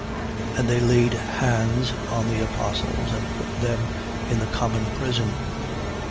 5:18. And they laid hands on the apostles and put them in the common prison.